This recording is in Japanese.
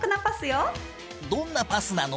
どんなパスなの？